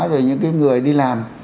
rồi những cái người đi làm